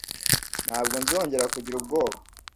Ntabwo nzongera kugira ubwoba